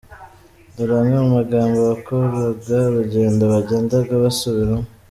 Dore amwe mu magambo abakoraga urugendo bagendaga basubiramo.